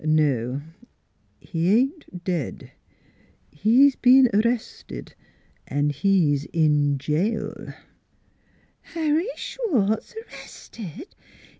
"No, he ain't dead: he's been a rested an' he's in jail" " Harry Schwartz arrested!